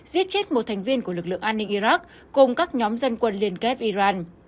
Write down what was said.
giết chết một thành viên của lực lượng an ninh iraq cùng các nhóm dân quân liên kết iran